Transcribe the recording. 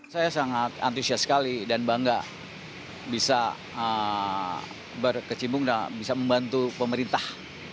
saya sangat antusias sekali dan bangga bisa berkecimpung dan bisa membantu pemerintah